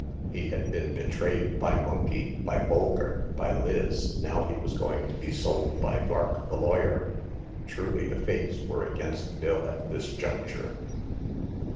He had been betrayed by Monkey, by Bolker, by Liz ; now he was going to be sold by Vark, the lawyer. Truly, the fates were against Bill at this junc ture.